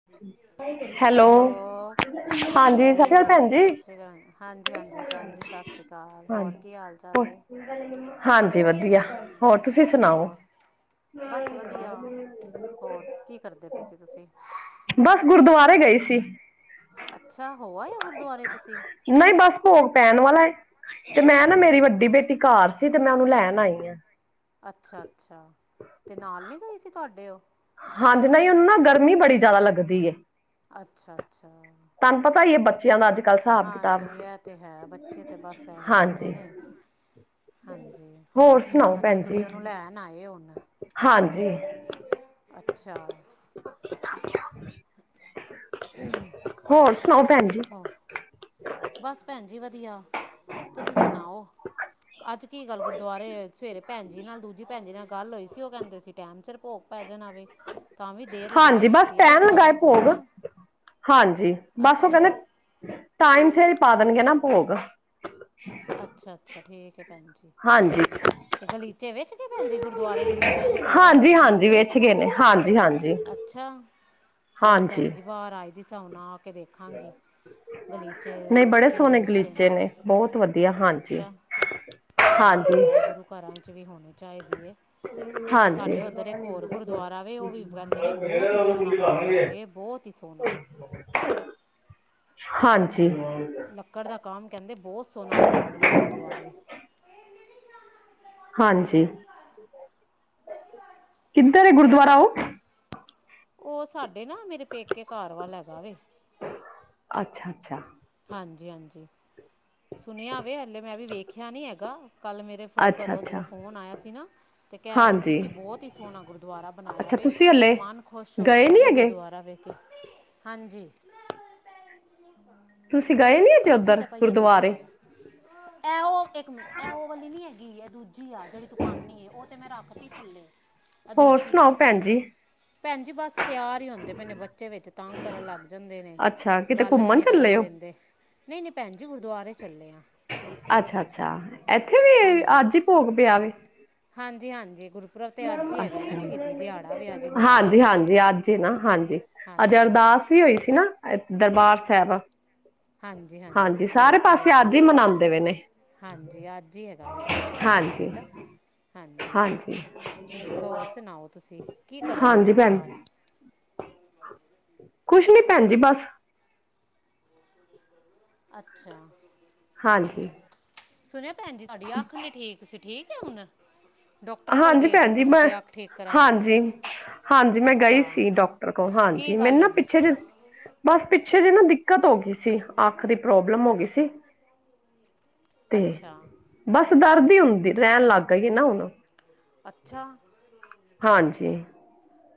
[inaudible] Hello ਸਤਿ ਸ਼੍ਰੀ ਅਕਾਲ ਹਾਂਜੀ, ਭੈਣ ਜੀ। ਸਤਿ ਸ੍ਰੀ ਅਕਾਲ ਹਾਂਜੀ-ਹਾਂਜੀ ਭੈਣ ਜੀ ਸਤਿ ਸ੍ਰੀ ਅਕਾਲ, ਹੋਰ ਹਾਂਜੀ। ਕੀ ਹਾਲ ਚਾਲ ਹੋਰ, ਨੇ? ਹਾਂਜੀ ਵਧੀਆ, ਹੋਰ ਤੁਸੀਂ ਸੁਣਾਓ? ਹੋਰ ਬਸ ਵਧੀਆ। ਹੋਰ ਕੀ ਕਰਦੇ ਪੇ ਸੀ ਤੁਸੀਂ? ਬਸ ਗੁਰਦੁਆਰੇ ਗਏ ਸੀ। ਅੱਛਾ! ਹੋ ਆਏ ਓ ਗੁਰਦੁਆਰੇ ਤੁਸੀਂ? ਨਈ ਬਸ ਪੋਗ ਪੈਣ ਵਾਲਾ ਏ। ਤੇ ਮੈਂ ਨਾ ਮੇਰੀ ਵੱਡੀ ਬੇਟੀ ਕਾਰ ਸੀ ਤੇ ਮੈਂ ਓਨੂੰ ਲੈਣ ਆਈ ਆਂ। ਅੱਛਾ-ਅੱਛਾ ਤੇ ਨਾਲ ਨੀ ਗਈ ਸੀ ਤੁਆਡੇ ਓ? ਹਾਂਜੀ ਨਈ ਓਨੂੰ ਨਾ ਗਰਮੀ ਬੜੀ ਜਿਆਦਾ ਲੱਗਦੀ ਏ। ਅੱਛਾ-ਅੱਛਾ। ਤਾਨੂੰ ਪਤਾ ਈ ਏ ਬੱਚਿਆਂ ਦਾੱ ਅੱਜ ਹਾਂਜੀ ਐ ਤੇ ਹੈ ਬੱਚੇ ਤੇ ਬਸ ਐਵੇ ਈ ਹੈਗੇ ਹਾਂਜੀ, ਨੇ। ਹਾਂਜੀ ਹੋਰ ਸੁਣਾਓ ਅੱਛਾ ਭੈਣ ਜੀ? ਤੁਸੀਂ ਓਨੂੰ ਲੈਣ ਆਏ ਓ ਹੁਣ। ਹਾਂਜੀ, ਅੱਛਾ। [unintelligible] [unintelligible] ਹੋਰ ਸੁਣਾਓ ਪੈਣ ਜੀ? ਹਾਂ। ਬਸ ਪੈਣ ਜੀ ਵਧੀਆ ਤੁਸੀਂ ਸੁਨਾਓ। ਅੱਜ ਕੀ ਗੱਲ ਗੁਰਦੁਆਰੇ ਸਵੇਰੇ ਪੈਣ ਜੀ ਨਾਲ ਦੂਜੀ ਪੈਣ ਜੀ ਨਾਲ ਗੱਲ ਹੋਈ ਸੀ ਓ ਕੈਂਦੇ ਸੀ ਟੈਮ ਸੇਰ ਪੋਗ ਪੈ ਜਾਣਾ ਵੇ। ਤਾਂਵੀ ਦੇਰ ਲਗਾ ਈ ਹਾਂਜੀ ਬਸ ਦਿੱਤੀ ਏ ਪੈਣ ਲਗਾ ਗੁਰਦੁਆਰੇ ਭੋਗ, ਹਨਾ ਹਾਂਜੀ ਬਸ ਓ ਅੱਛਾ ਕੈਂਦੇ ਟਾਈਮ ਸੇਰ ਪਾ ਦੇਣਗੇ ਨਾ ਪੋਗ। ਅੱਛਾ-ਅੱਛਾ ਠੀਕ ਏ ਪੈਣ ਜੀ। ਹਾਂਜੀ। ਤੇ ਗਲੀਚੇ ਵੇਛਗੇ ਪੈਣ ਜੀ ਗੁਰਦੁਆਰੇ ਗਲੀਚਿਆਂ ਦੀ ਸੇਵਾ ਹੋਣੀ ਸੀ ਹੋ ਤੇ ਗਈ ਹੈ ਵੇਛਗੇ ਨੇ ਹਾਂਜੀ-ਹਾਂਜੀ। ਅੱਛਾ ਚਲੋ ਪੈਣ ਜੀ ਬਾਰ ਆਈ ਦੀ ਸਾ ਹੁਨ ਆ ਕੇ ਵੇਖਾਂਗੀ। ਗਲੀਚੇ ਨਹੀਂ ਬੜੇ ਕੇੜੇ ਸੋਹਣੇ ਵਿਛੇ ਗਲੀਚੇ ਨੇ ਬਹੁਤ ਵਧੀਆ ਹਾਂਜੀ ਅੱਛਾ ਚਲੋ ਹਾਂਜੀ ਵਧੀਆ ਐ ਗੁਰੂ ਘਰਾਂ ਚ ਵੀ ਹੋਣੀ ਚਾਇਦੀ ਏ। ਹਾਂਜੀ ਸਾਡੇ ਓਧਰ ਇੱਕ ਹੋਰ ਗੁਰਦੁਆਰਾ ਵੇ ਓ ਵੀ ਕੈਂਦੇ ਨੇ ਬੋਹਤ ਹੀ ਸੋਹਣਾ ਬਣਾਇਆ ਵੇ ਬੋਤ ਈ ਸੋਣਾ। ਹਾਂਜੀ। ਲੱਕੜ ਦਾ ਕੰਮ ਕੈੰਦੇ ਬੋਹਤ ਸੋਣਾ ਹੋਇਆ ਓ ਵਾਲੇ ਗੁਰਦੁਆਰੇ। ਹਾਂਜੀ ਕਿੱਧਰ ਏ ਗੁਰਦੁਆਰਾ ਓ? ਓ ਸਾਡੇ ਨਾ ਮੇਰੇ ਪੇਕੇ ਘੱਰ ਵੱਲ ਹੈਗਾ ਵੇ। ਅੱਛਾ-ਅੱਛਾ। ਹਾਂਜੀ-ਹਾਂਜੀ ਸੁਣਿਆ ਵੇ ਹਲੇ ਮੈਂ ਵੀ ਵੇਖਿਆ ਨੀ ਹੈਗਾ। ਕੱਲ ਮੇਰੇ ਫ ਅੱਛਾ ਕਰੋਂ ਅੱਛਾ ਓਧਰੋਂ ਫੋਨ ਆਯਾ ਸੀ ਨਾ ਤੇ ਕੈ ਰੇ ਸੀ ਹਾਂਜੀ ਕਿ ਬੋਹਤ ਈ ਸੋਹਣਾ ਗੁਰਦੁਆਰਾ ਬਣਾਇਆ ਅੱਛਾ ਵੇ। ਤੁਸੀਂ ਹਲੇ ਮਨ ਖੋਸ਼ ਹੋ ਗਏ ਗਯਾ ਨਹੀਂ ਵੇ ਹੈਗੇ ਗੁਰਦੁਆਰਾ ਵੇਖ ਕੇ ਮੰਮੀ ਹਾਂਜੀ ਤੁਸੀਂ ਗਏ ਨਹੀਂ ਅਜੇ ਕੁਰਸੀ ਉੱਧਰ ਤੇ ਪਈ ਆ ਦੂਜੀ ਗੁਰਦੁਆਰੇ ਪਾਲੈ ਐ ਓ ਇੱਕ ਮਿੰਟ ਐ ਓ ਵਾਲੀ ਨੀ ਹੈਗੀ ਐਂ ਦੂ ਜੀ ਆ ਜੇੜੀ ਤੂੰ ਪਾਨੀ ਏ ਓ ਤੇ ਮੈਂ ਰੱਖ ਤੀ ਥੱਲੇ ਐ ਹੋਰ ਦੂਜੀ ਆ। ਸੁਣਾਓ ਭੈਣ ਜੀ ਪੈਣ ਜੀ ਬਸ ਤਿਆਰ ਹੀ ਹੁੰਦੇ ਪਏ ਨੇ ਬੱਚੇ ਵਿੱਚ ਤੰਗ ਕਰਨ ਲੱਗ ਜਾਂਦੇ ਨੇ ਅੱਛਾ ਕਿਤੇ ਗੱਲ ਵੀ ਘੁੰਮਣ ਨੀ ਚੱਲੇ ਕਰਨ ਹੋ ਦਿੰਦੇ ਨਈ-ਨਈ ਪੈਣ ਜੀ ਗੁਰਦੁਆਰੇ ਚੱਲੇ ਆ। ਅੱਛਾ-ਅੱਛਾ ਐਥੇ ਵੀ ਹਾਂਜੀ ਅੱਜ ਈ ਪੋਗ ਪਯਾ ਵੇ ਹਾਂਜੀ -ਹਾਂਜੀ ਗੁਰ ਅੱਜ ਹਾਂਜੀ ਮਹਾਰਾਜ ਜੀ ਦਾ -ਹਾਂਜੀ ਅੱਜ ਨਾ ਹਾਂਜੀ ਅਜ ਹਾਂਜੀ ਅਰਦਾਸ ਵੀ ਹੋਈ ਸੀ ਨਾ, ਦਰਬਾਰ ਸਾਹਿਬ। ਹਾਂਜੀ, ਹੋਈ ਸਾਰੇ ਸੀ ਪਾਸੇ ਅੱਜ ਹੀ, ਅਰਦਾਸ ਮਨਾਦੇ ਪਏ ਨੇ ਹਾਂਜੀ ਅੱਜ ਹੀ ਹੈਗਾ ਵੇ ਦਿਹਾੜਾ ਬਾਬਾ ਹਾਂਜੀ- ਜੀ ਦਾ ਹਾਂਜੀ ਹੋਰ ਸੁਣਾਓ ਤੁਸੀਂ ਕੀ ਕਰਦੇ ਹੋ ਹਾਂਜੀ, ਫਿਰ ਭੈਣ ਜੀ। ਘਰ ਕੁਛ ਨਈ, ਭੈਣ ਜੀ ਬਸ। ਅੱਛਾ। ਹਾਂਜੀ। ਸੁਣਿਆ ਭੈਣ ਜੀ, ਤੁਹਾਡੀ ਅੱਖ ਨਈ ਠੀਕ ਸੀ, ਠੀਕ ਏ ਹੁਣ ਡਾਕਟਰ ਕੋਲ ਹਾਂਜੀ ਗਏ ਦੇ ਭੈਣ ਜੀ ਸੀ ਮੈਂ, ਤੁਸੀਂ ਅੱਖ ਠੀਕ ਕਰਾਉਣ ਹਾਂਜੀ-ਹਾਂਜੀ ਮੈਂ ਅੱਛਾ ਗਈ ਸੀ ਡੋਕ ਡ ਕੋ ਕੀ ਹਾਂਜੀ, ਮੈਨੂੰ ਗੱਲ ਨਾ ਹੋ ਗਈ ਸੀ ਪਿੱਛੇ ਜੇ ਬਸ ਪਿੱਛੇ ਜਿਹੇ ਨਾ, ਦਿੱਕਤ ਹੋ ਗਈ ਸੀ, ਅੱਖ ਦੀ ਪ੍ਰੋਬਲਮ ਹੋ ਗਈ ਸੀ ਤੇ, ਅੱਛਾ ਬਸ ਦਰਦ ਈ ਹੁੰਦੀ ਰੈਣ, ਲੱਗ ਗਈ ਏ ਨਾ ਹੁਣ ਅੱਛਾ ਹਾਂਜੀ।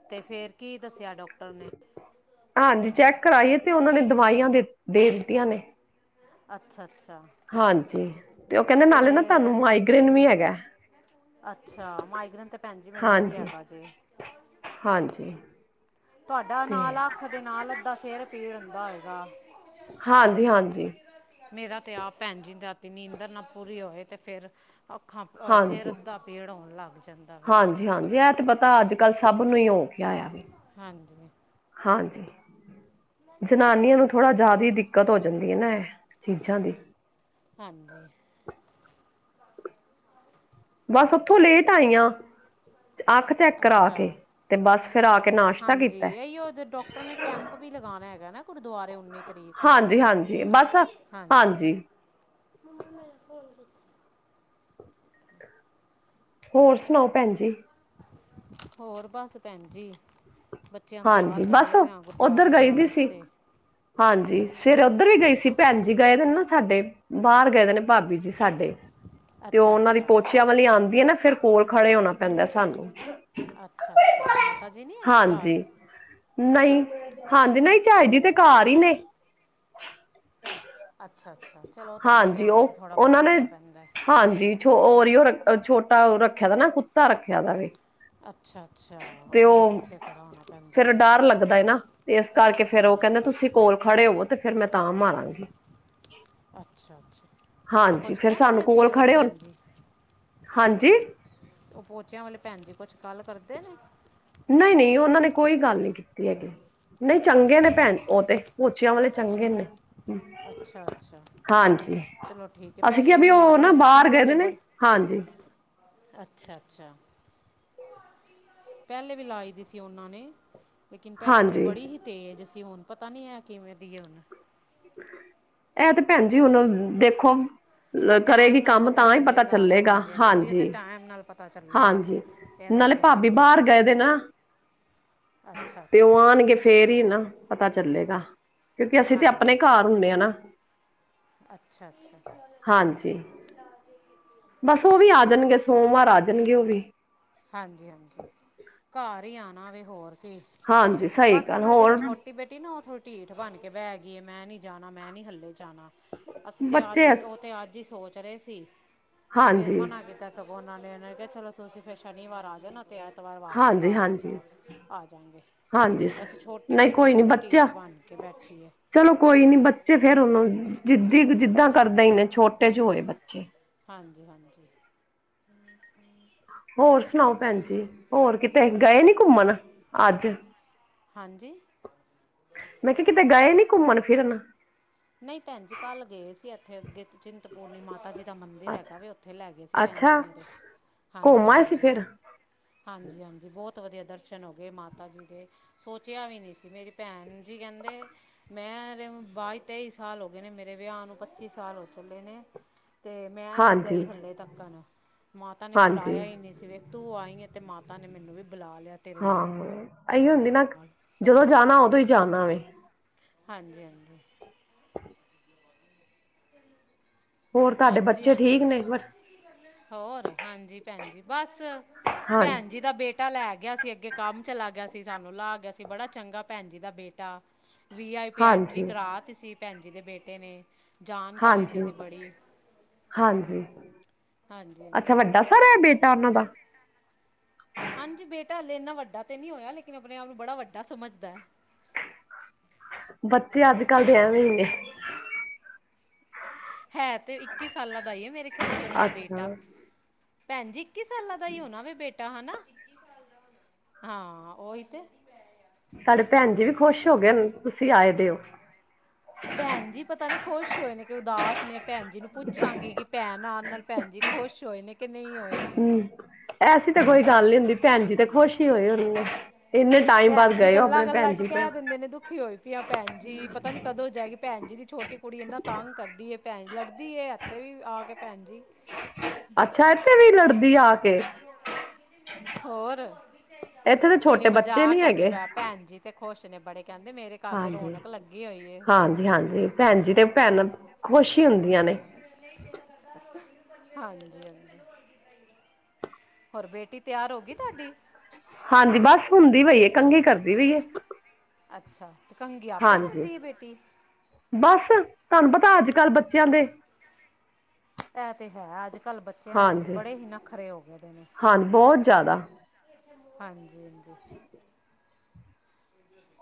ਤੇ ਫੇਰ ਕੀ ਦੱਸਿਆ, ਡੋਕਟਰ ਨੇ ਹਾਂਜੀ, ਚੈੱਕ ਕਰਾਈ ਏ ਤੇ ਓਨਾਂ ਨੇ, ਦਵਾਈਆਂ ਦੇ- ਦੇਤੀਆਂ ਨੇ ਅੱਛਾ-ਅੱਛਾ ਹਾਂਜੀ, ਤੇ ਓ ਕਹਿਦੇ ਦੇ ਨਾਲੇ ਨਾ ਤਾਨੂੰ, ਮਾਈਗ੍ਰੇਨ ਵੀ ਐਗੈ ਅੱਛਾ, ਮਾਈਗ੍ਰੇਨ ਤੇ ਭੈਣ ਜੀ, ਮੈਨੂੰ ਵੀ ਹਾਂਜੀ ਐਗਾ ਜੇ ਹਾਂਜੀ। ਤੁਆਡਾ ਤੇ ਨਾਲ ਅੱਖ ਦੇ ਨਾਲ, ਅੱਧਾ ਸਿਰ ਪੀੜ ਹੁੰਦਾ ਹੋਏਗਾ ਹਾਂਜੀ-ਹਾਂਜੀ। ਮੇਰਾ ਤੇ ਆਪ, ਭੈਣ ਜੀ ਰਾਤੀ ਨੀਂਦਰ ਨਾ, ਪੂਰੀ ਹੋਏ ਤੇ ਫੇਰ ਅੱਖਾਂ ਕ ਹਾਂਜੀ ਸਿਰ ਅੱਧਾ ਪੀੜ, ਹੋਣ ਲੱਗ ਜਂਦਾ ਵੇ ਹਾਂਜੀ ਹਾਂਜੀ ਏ ਤੇ ਪਤਾ, ਅੱਜ-ਕਲ ਸਭ ਨੂੰ ਈ ਹੋ ਗਿਆ ਵੇ ਹਾਂਜੀ ਹਾਂਜੀ। ਜਨਾਨੀਆਂ ਨੂੰ, ਥੋੜਾ ਜਿਆਦਾ ਈ ਦਿੱਕਤ ਹੋ ਜਾਦੀ ਏ ਐ ਚੀਜ਼ਾਂ ਦੀ ਹਾਂਜੀ। ਬਸ ਉਥੋਂ ਲੇਟ ਆਈ ਆਂ। ਅੱਖ ਚੈੱਕ ਕਰਾ ਅੱਛਾ ਕੇ, ਤੇ ਬਸ ਫੇਰ ਆ ਕੇ, ਨਾਸ਼ਤਾ ਕੀਤਾ ਓ ਵੀ ਲਗਾਣਾ ਹੈਗਾ ਨਾ ਗੁਰਦੁਆਰੇ ਉੱਨੀ ਤਰੀਕ ਹਾਂਜੀ ਹਾਂਜੀ ਬਸ ਹਾਂਜੀ। ਮੰਮਾ, ਮੇਰਾ ਫੋਨ ਕਿੱਥੇ? ਹੋਰ ਸੁਨਾਓ, ਭੈਣ ਜੀ? ਹੋਰ, ਬਸ ਭੈਣ ਜੀ ਬੱਚਿਆਂ ਨੂੰ ਹਾਂਜੀ ਤਿਆਰ ਬਸ ਕਰਨੇ ਪਏ ਆ, ਉੱਧਰ ਗੁਰਦੁਆਰੇ ਗਈ ਦੀ ਜਾਣ ਸੀ ਅਸਤੇ ਹਾਂਜੀ, ਸਵੇਰੇ ਓਦਰ ਵੀ ਗਈ ਸੀ ਭੈਣ ਜੀ ਗਏ ਦੇ, ਨ -ਨਾ ਸਾਡੇ, ਬਾਰ ਗਏ ਦੇ ਨੇ ਭਾਬੀ ਜੀ ਸਾਡੇ, ਤੇ ਓ ਅੱਛਾ ਓਨਾਂ ਦੀ ਅੱਛਾ ਪੋਛ ਪੋਚਿਆ ਵਾਲੀ ਆਂਦੀ ਏ ਨਾ, ਫੇਰ ਕੋਲ ਖੜੇ ਹੋਣਾ ਪੈਂਦੈ ਸਾਨੂੰ ਅੱਛਾ-ਅੱਛਾ ਮਾਤਾ ਜੀ ਨੀ ਹੈਗੇ ਘਾਰ? ਨਈ, ਹਾਂਜੀ ਨਈ, ਚਾਈ ਜੀ ਤੇ ਘਾਰ ਈ ਨੇ ਅੱਛਾ-ਅੱਛਾ। ਹਾਂਜੀ, ਓ ਓਨਾਂ ਨੇ, ਹੈ ਹਾਂਜੀ। ਛੋ ਓ ਓਰਿਓ, ਰਖ ਛੋਟਾ ਓ, ਰੱਖਿਆ ਦਾ ਨਾ, ਕੁੱਤਾ ਰੱਖਿਆ ਦਾ ਵੇ ਅੱਛਾ-ਅੱਛਾ ਤੇ ਓਦੇ ਉਹ ਪਿੱਛੇ ਖੜਾ ਹੋਨਾ ਪੈਂਦਾ ਫਿਰ ਹੋਏਗਾ। ਡਰ ਲੱਗਦਾ ਹੈ ਨਾ ਤੇ ਇਸ ਕਰਕੇ ਫੇਰ ਓ ਕੈਂਦੇ ਤੁਸੀਂ ਕੋਲ ਖੜੇ ਹੋਵੋ ਤੇ ਫੇਰ ਮੈਂ ਤਾਂ ਮਾਰਾਂਗੀ। ਅੱਛਾ-ਅੱਛਾ, ਹਾਂਜੀ ਕੁਛ ਫਿਰ ਸਾਨੂੰ ਕੈਂਦੇ ਸੀ ਕੋਲ ਓ ਖੜੇ ਹੋਣ ਭੈਨ ਜੀ। ਹਾਂਜੀ? ਓ ਪੋਚੇਆਂ ਵਾਲੇ ਭੈਨ ਜੀ ਕੁਛ ਗੱਲ ਕਰਦੇ ਨੇ? ਨਈ-ਨਈ ਓਨਾਂ ਨੇ ਕੋਈ ਗੱਲ ਨੀ ਕੀਤੀ ਐ‍ਗੀ। ਨਈ ਚੰਗੇ ਨੇ ਭੈਨ ਓ ਤੇ, ਪੋਚੇਆਂ ਵਾਲੇ ਚੰਗੇ ਨੇ। ਅੱਛਾ ਅੱਛਾ ਹਾਂਜੀ। ਚਲੋ ਠੀਕ ਏ, ਅਸੀਂ ਕਿ ਪੈਲੇ ਵੀ ਉਹ ਲਾਈ ਨਾ ਓਈ ਬਾਹਰ ਸੀ ਓ ਗਏ ਤੇ ਦੇ ਨੇ ਬੜ ਹਾਂਜੀ ਅੱਛਾ-ਅੱਛਾ। ਪੈਲੇ ਵੀ ਲਾਈ ਦੀ ਸੀ ਓਨਾ ਨੇ ਲੇਕਿਨ ਪੈਲੇ ਤੇ ਹਾਂਜੀ ਬੜੀ ਹੀ ਤੇਜ਼ ਸੀ ਹੁਨ ਪਤਾ ਨੀ ਐ ਕਿਵੇਂ ਦੀ ਏ ਹੁਨ। ਐ ਤੇ ਭੈਨ ਜੀ ਹੁਨ, ਦੇਖੋ ਹਾਂ ਟਾਈਮ ਕਰੇਗੀ ਨਾਲ ਕੰਮ ਤਾਂ ਈ ਪਤਾ ਚੱਲੇਗਾ, ਉਹੀ ਤੇ ਹਾਂਜੀ। ਟਾਈਮ ਨਾਲ ਪਤਾ ਚੱਲੇਗਾ ਹਾਂਜੀ ਇਹਦਾ ਨਾਲੇ ਵੀ ਭਾਬੀ ਹਾਂਜੀ ਬਾਰ ਗਏ ਦੇ ਨਾ। ਅੱਛਾ ਤੇ ਓ ਅੱਛਾ ਆਨਗੇ ਫੇਰ ਈ ਏ ਨਾ ਪਤਾ ਚੱਲੇਗਾ ਕਿਓਂਕਿ ਅਸੀਂ ਤੇ ਆਪਨੇ ਘਰ ਹੁੰਨੇ ਆ ਨਾ। ਅੱਛਾ-ਅੱਛਾ। ਹਾਂਜੀ ਬਸ ਓ ਵੀ ਆ ਜਾਨਗੇ ਸੋਮਵਾਰ ਆ ਜਾਨਗੇ ਓ ਵੀ ਹਾਂਜੀ-ਹਾਂਜੀ ਘਰ ਈ ਆਨਾ ਵੇ ਹੋਰ ਕੀ ਹਾਂਜੀ ਸਹੀ ਬਸ ਗੱਲ ਓਨਾਂ ਦੀ ਜੇੜੀ ਹੋਰ ਛੋ ਟੀ ਬੇਟੀ ਏ ਨਾ ਓ ਥੋੜੀ ਢੀਠ ਬਣ ਕੇ ਬੈ ਗੀਏ ਮੈਂ ਨੀ ਜਾਨਾ ਮੈਂ ਨੀ ਹੱਲੇ ਜਾਨਾ। ਅਸੀਂ ਤੇ ਅੱਜ ਬੱਚੇ ਈ ਅਸ ਓ ਤੇ ਅੱਜ ਈ ਸੋਚ ਰਏ ਸੀ। ਤੇ ਫੇਰ ਹਾਂਜੀ ਮਨਾ ਕੀਤਾ ਸਗੋਂ ਓਨਾਂ ਨੇ ਓਨਾਂ ਨੇ ਕਿਆ ਚਲੋ ਤੁਸੀਂ ਫਿਰ ਸ਼ਨੀਵਾਰ ਆ ਜਾਨਾ। ਤੇ ਐਤਵਾਰ ਵਾਪਸੀ ਹਾਂਜੀ ਘਰ ਆ ਹਾਂਜੀ ਜਾਓ ਗੇ ਆ ਜਾਂਗੇ। ਹਾਂਜੀ ਵੈਸੇ ਛੋਟੀ ਨਈਂ ਬੇਟੀ ਕੋਈ ਨੀ ਜ਼ਿਆਦਾ ਬੱਚਾ ਢੀਠ ਬਣ ਕੇ ਬੈਠੀ ਹੈ ਚਲੋ ਕੋਈ ਨੀ ਬ ਤੇ ਫੇਰ ਓਨੂੰ ਜਿੱਦੀ ਕ ਜਿੱਦਾਂ ਕਰਦੇ ਈ ਨੇ ਛੋਟੇ ਜੋ ਹੋਏ ਬੱਚੇ। ਹਾਂਜੀ-ਹਾਂਜੀ। ਹੋਰ ਸੁਨਾਓ ਭੈਨ ਜੀ ਹੋਰ ਕਿਤੇ ਗਏ ਨੀ ਘੁੰਮਨ ਅੱਜ? ਹਾਂਜੀ? ਮੈਂ ਕਿਆ ਕਿਤੇ ਗਏ ਨੀ ਘੁੰਮਨ-ਫਿਰਨ। ਨਈਂ ਭੈਨ ਜੀ ਕੱਲ ਗਏ ਹੋਏ ਸੀ ਏਥੇ ਅੱਗੇ ਤੇ ਚਿੰਤਪੂਰਨੀ ਮਾਤਾ ਜੀ ਦੇ ਦਾ ਮੰਦਿਰ ਹੈਗਾ ਅੱਛਾ ਵੀ ਓਥੇ ਲੈ ਗਏ ਸੀ ਭੈਨ ਜੀ ਅੱਛਾ ਮੇਰੇ, ਘੁੰਮ ਆਏ ਸੀ ਹਾਂਜੀ-ਹਾਂਜੀ। ਫਿਰ ਹਾਂਜੀ-ਹਾਂਜੀ ਬੋਤ ਵਦੀਆ ਦਰਸ਼ਨ ਹੋ ਗਏ ਮਾਤਾ ਜੀ ਦੇ। ਸੋਚਿਆ ਵੀ ਨੀ ਸੀ ਮੇਰੀ ਭੈਨ ਜੀ ਕੈਂਦੇ ਮੈਂਰੇ ਬਾਦ ਤੇਈ ਸਾਲ ਹੋ ਗਏ ਨੇ ਮੇਰੇ ਵਿਆਹ ਨੂੰ ਪੱਚੀ ਸਾਲ ਹੋ ਚੱਲੇ ਨੇ। ਤੇ ਮੈਂ ਨਈਂ ਹਾਂਜੀ ਗਈ ਹਲੇੇ ਤੱਕਨ ਮਾਤਾ ਨੇ ਹਾਂਜੀ ਬੁਲਾਏਆ ਈ ਨਈਂ ਸੀ ਵੇਖ ਤੂੰ ਆਈ ਐ ਤੇ ਮਾਤਾ ਨੇ ਮੈਨੂੰ ਵੀ ਬਲਾ ਲਿਆ। ਹਾਂ ਏਈਓ ਹੁੰਦੀ ਨਾ। ਹਾਂ ਜਦੋਂ ਜਾਨਾ ਉਦੋਂ ਈ ਜਾਨਾ ਵੈ। ਹਾਂਜੀ-ਹਾਂਜੀ। [inaudible] ਹੋਰ ਤੁਆਡੇ ਹਾਂਜੀ ਬੱਚੇ ਠੀਕ ਹਾਂਜੀ ਨੇ, ਬਸ ਹੋਰ, ਹਾਂਜੀ ਭੈਨ ਜੀ ਬਸ ਹਾਂਜੀ ਭੈਨ ਜੀ ਦਾ ਬੇ ਟਾ ਲੈ ਗਿਆ ਸੀ ਅੱਗੇ ਕੰਮ ਚਲਾ ਗਿਆ ਸੀ ਸਾਨੂੰ ਲਾ ਗਿਆ ਸੀ ਬੜਾ ਚੰਗਾ ਭੈਨ ਜੀ ਦਾ ਬੇਟਾ। ਵੀ ਆਈ ਪੀ ਐਂਟਰੀ ਹਾਂਜੀ ਕਰਾ ਤੀ ਸੀ ਭੈਣ ਜੀ ਦੇ ਬੇਟੇ ਨੇ, ਜਾਨਕਾਰੀ ਸੀ ਹਾਂਜੀ ੳਦੀ ਬੜੀ। ਹਾਂਜੀ, ਹਾਂਜੀ ਅੱਛਾ ਹਾਂਜੀ ਵੱਡਾ ਸਾਰਾ ਏ ਬੇਟਾ ੳਨਾਂ ਦਾ? ਹਾਂਜੀ ਬੇਟਾ ਹਾਲੇ ਏਨਾ ਵੱਡਾ ਤੇ ਨਈ ਹੋਏਆ ਲੇਕਿਨ ਅਪਨੇ ਆਪ ਨੂੰ ਬੜਾ ਵੱਡਾ ਸਮਝਦਾ ਐ। ਬੱਚੇ ਅੱਜ-ਕੱਲ ਦੇ ਐਵੇ ਈ ਨੇ। [inaudible] ਹੈ ਤੇ ਇੱਕੀ ਸਾਲਾਂ ਦਾ ਈ ਏ ਮੇਰੇ ਖਿਆਲ ਚ ੳਨਾਂ ਦਾ ਬੇਟਾ। ਅੱਛਾ ਭੈਣਜੀ ਇੱਕੀ ਸਾਲਾਂ ਦਾ ਈ ਹੋਨਾ ਵੇ ਬੇਟ ਟਾ ਹੈਨਾ, ਹਾਂ ਓਹੀ ਤੇ। ਸਾਡੇ ਭੈਣਜੀ ਵੀ ਖੁਸ਼ ਹੋ ਗਏ ਨ ਤੁਸੀ ਆਏ ਦੇ ਓ। ਭੈਣ ਜੀ ਪਤਾ ਨੀ ਖੁਸ਼ ਹੋਏ ਨੇ ਕੇ ਉਦਾਸ ਨੇ ਭੈਣ ਜੀ ਨੂੰ ਪੁੱਛਾਂਗੀ ਕਿ ਭੈਣ ਆਣ ਨਾਲ ਭੈਣ ਜੀ ਖੁਸ਼ ਹੋਏ ਨੇ ਕਿ ਨਈ ਹੋਏ। ਹੂੰ ਐਸੀ ਤਾਂ ਕੋਈ ਗੱਲ ਨੀ ਹੁੰਦੀ ਭੈਣਜੀ ਤੇ ਖੁਸ਼ ਈ ਹੋਏ ਹੋਨੇ। ਏਨੇ ਭੈਣਜੀ ਗੱਲਾਂ-ਗੱਲਾਂ ਚ ਕੈ ਦੇਂਦੇ ਨੇ ਦੁਖੀ ਹੋਈ ਪੀ ਆ ਭੈਨ ਜੀ ਪਤਾ ਨੀ ਕਦੋਂ ਜਾਏਗੀ। ਭੈਨਜੀ ਦੀ ਛੋਟੀ ਕੁੜੀ ਏਨਾ ਤੰਗ ਕਰਦੀ ਏ ਭੈਨ ਲੜਦੀ ਏ ਫੇਰ ਵੀ ਆ ਕੇ ਭੈਨਜੀ ਅੱਛਾ ਏਥੇ ਵੀ ਲੜਦੀ ਏ ਆ ਕੇ। ਹੋਰ ਇੱਥੇ ਦੇ ਮੇਰੀ ਛੋਟੇ ਬੱਚੇ ਮਜਾਕ ਨਹੀਂ ਹੈਗੇ ਭੈਣਜੀ ਤੇ ਖੁਸ਼ ਨੇ ਬੜੇ, ਕੈਂਦੇ ਮੇਰੇ ਘਰ ਤੇ ਹਾਂਜੀ ਰੌਣਕ ਲੱਗੀ ਹੋਈ ਏ ਹਾਂਜੀ ਹਾਂਜੀ ਭੈਣ ਜੀ ਤੇ ਭੈਣਾਂ ਖੁਸ਼ ਈ ਹੁੰਦੀਆਂ ਨੇ। ਹਾਂਜੀ ਹਾਂਜੀ। ਹੋਰ ਬੇਟੀ ਤੇਆਰ ਹੋ ਗੀ ਤੁਆਡੀ। ਹਾਂਜੀ ਬਸ ਹੁੰਦੀ ਪਈ ਏ, ਕੰਘੀ ਕਰਦੀ ਪਈ ਏ। ਅੱਛਾ, ਤੇ ਕੰੰਘੀ ਆਪੇ ਹਾਂਜੀ ਕਰਦੀ ਏ ਬੇਟੀ? ਬਸ, ਤਾਨੂੰ ਪਤਾ ਅੱਜ ਕਲ ਬੱਚੇਆਂ ਦੇ ਐ ਤੇ ਹੈ, ਅੱਜ ਕਲ ਬੱਚੇਆਂ ਦੇ ਹਾਂਜੀ ਬੜੇ ਈ ਨਖਰੇ ਹੋ ਗਏ ਦੇ ਨੇ। ਹਾਂਜੀ ਬਹੁਤ ਜ਼ਿਆਦਾ ਹਾਂਜੀ ਹਾਂਜੀ।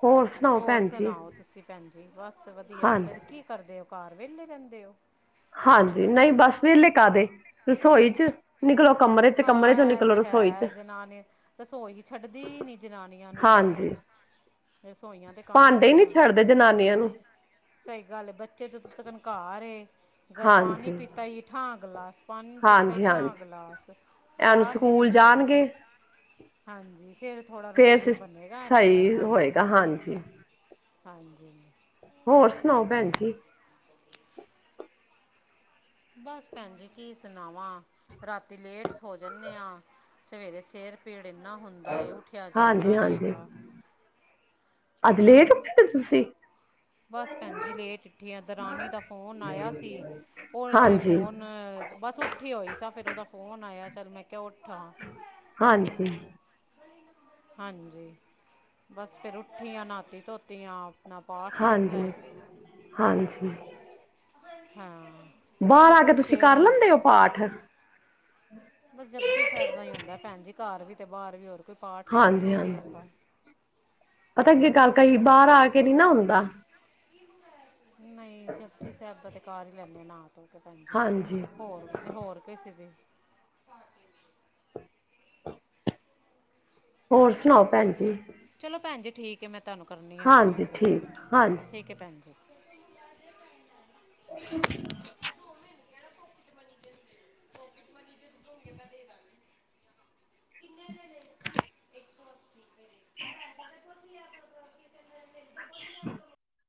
ਹੋਰ ਸੁਣਾਓ ਹੋਰ ਭੈਣ ਜੀ ਸੁਣਾਓ ਤੁਸੀ ਭੈਨ ਜੀ? ਬਸ ਵਧੀਆ, ਹਾਂਜੀ ਫੇਰ ਕੀ ਕਰਦੇ ੳ ਘਰ, ਵੇਲੇ ਰੇੰਦੇ ੳ। ਹਾਂਜੀ, ਨਈ ਬਸ ਵੇਲੇ ਕਾਦੇ ਰਸੋਈ ਚ ਨਿਕਲੋ ਕਮਰੇ ਚ ਕਮਰੇ 'ਚੋਂ ਹਾਂ ਐ ਨਿਕਲੋ ਤੇ ਰਸੋਈ 'ਚ ਹੈ ਜਨਾਨੀ, ਰਸੋਈ ਛੱਡਦੀ ਨੀ ਜਨਾਨੀਆਂ ਨੂੰ। ਤੇ ਹਾਂਜੀ। ਰਸੋਈਆਂ ਦੇ ਕੰਮ ਈ ਭਾਂਡੇ ਹੀ ਬੜੇ ਨਹੀਂ ਹੁੰਦੇ ਛੱਡਦੇ ਨੇ। ਜਨਾਨੀਆਂ ਨੂੰ ਸਹੀ ਗੱਲ ਏ। ਬੱਚੇ ਜਦੋ ਤਕਨ ਘਰ ਏ, ਪਾਨੀ ਹਾਂਜੀ ਪੀਤਾ ਈ, ਠਾਂ ਗਲਾਸ ਪਾਨੀ ਪੀਤਾ ਈ ਹਾਂਜੀ ਠਾਂ ਹਾਂਜੀ ਗਲਾਸ। ਐਨ ਗਲਾਸ ਈ ਨੀ ਸਕੂਲ ਮੁੱਕਦੇ ਤੇ। ਜਾਣਗੇ ਹਾਂਜੀ ਫੇਰ ਥੋੜਾ ਫਿਰ ਰੂਟੀਨ ਸਿਸ ਬਨੇਗਾ ਏਨਾਂ ਸਹੀ ਦਾ ਹਾਂਜੀ। ਹੋਏਗਾ ਹਾਂਜੀ ਹਾਂਜੀ। ਹੋਰ ਸੁਣਾਓ ਭੈਣ ਜੀ। ਬਸ ਭੈਣਜੀ ਕੀ ਸੁਨਾਵਾਂ? ਰਾਤੀ ਲੇਟ ਸੋ ਜਨੇ ਆਂ। ਸਵੇਰੇ ਸਿਰ ਪੀੜ ਏਨਾ ਹੁੰਦਾ ਏ, ਉਠਿਆ ਜਾਂਦਾ ਹਾਂਜੀ ਨਈ ਹਾਂਜੀ ਹੈਗਾ। ਅੱਜ ਲੇਟ ਉਠੇ ਤੁਸੀ। ਬਸ ਭੈਨਜੀ ਲੇਟ ਉਠੀ ਆ ਦਰਾਨੀ ਦਾ ਫੋਨ ਆਇਆ ਸੀ ੳਰਦੇ ਹਾਂਜੀ ਫੋਨ ਬਸ ਉਠੀ ਹੋਈ ਸਾਂ ਫੇਰ ੳਦਾ ਫੋਨ ਆਏਆ ਚੱਲ ਮੈਂ ਕਿਆ ਉਠਾਂ ਹਾਂਜੀ। ਹਾਂਜੀ, ਬਸ ਫੇਰ ਉਠੀ ਆਂ, ਨਾਤੀ ਧੋਤੀ ਆਂ ਨਾ ਪਾਠ ਕੀਤਾ ਹਾਂਜੀ ਏ, ਹਾਂਜੀ ਹਾਂ। ਬਾਰ ਆ ਕੇ ਤੁਸੀਂ ਫਿਰ ਕਰ ਲੈਂਦੇ ਓ ਪਾਠ? ਬਸ ਜਪਜੀ ਸਾਹਿਬ ਦਾ ਹੀ ਹੁੰਦਾ ਭੈਣ ਜੀ, ਘਰ ਵੀ ਤੇ ਬਾਹਰ ਵੀ, ਹੋਰ ਕੋਈ ਪਾਠ ਕਰਦੇ ਹਾਂਜੀ ਹੀ ਨਹੀਂ -ਹਾਂਜੀ ਆਪਾਂ ਪਤਾ ਕੀ ਗੱਲ ਤੇ ਇਹੀ ਬਾਰ ਆ ਕੇ ਨੀ ਨਾ ਹੁੰਦਾ। ਨਹੀਂ ਜਪ ਜੀ ਸਾਹਿਬ ਦਾ ਤੇ ਕਰ ਹੀ ਲੈਂਨੇ ਆ ਨਾ ਧੋ ਕੇ ਭੈਣ ਜੀ। ਹਾਂਜੀ ਹੋਰ ਦੇ ਹੋਰ ਕਿਸੇ ਦੀ। ਹੋਰ ਸੁਣਾਓ ਭੈਣ ਜੀ? ਚਲੋ ਭੈਣ ਜੀ ਠੀਕ ਐ, ਮੈਂ ਤੁਹਾਨੂੰ ਕਰਨੀ ਆ ਫ਼ੋਨ ਹਾਂਜੀ ਫਿਰ, ਠੀਕ ਹਾਂਜੀ ਠੀਕ ਹੈ ਭੈਣ ਜੀ। ਅ [unintelligible] [unintelligible] ਕਿੰਨੇ ਵਜੇ ਲ ਛੇ ਸੌ ਅੱਸੀ ਹਾਂ [unintelligible] [inaudible] ਅੱਛਾ।